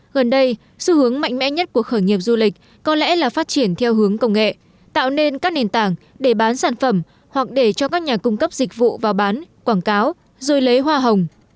gần đây xu hướng mạnh mẽ nhất của khởi nghiệp du lịch có lẽ là phát triển theo hướng công nghệ tạo nên các nền tảng để bán sản phẩm hoặc để cho các nhà cung cấp dịch vụ vào bán quảng cáo rồi lấy hoa hồng